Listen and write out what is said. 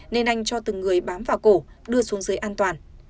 nên anh cho từng người bám vào cổ đưa xuống dưới an toàn